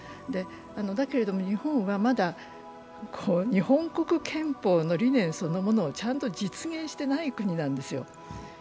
だけれども、日本はまだ日本国憲法の理念そのものをちゃんと実現してない国なんですよ。